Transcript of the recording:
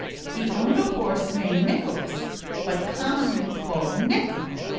He owned a horse named Nicholas but commonly called "Nicho!"